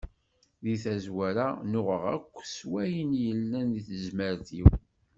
Di tazwara nnuɣeɣ akk s wayen i yellan deg tezmert-iw.